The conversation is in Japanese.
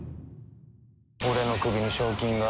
「俺の首に賞金が？」